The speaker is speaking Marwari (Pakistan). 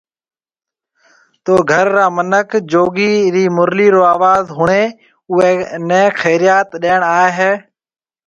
تو گھر را منک جوگي ري مُرلي رو آواز ۿڻي اوئي خيريئات ڏيڻ آوي ھيَََ